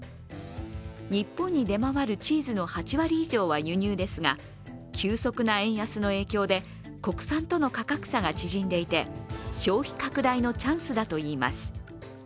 日本に出回るチーズの８割以上は輸入ですが、急速な円安の影響で国産との価格差が縮んでいて消費拡大のチャンスだといいます。